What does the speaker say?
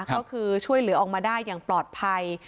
ก็คือช่วยเหลือออกมาได้อย่างปลอดภัย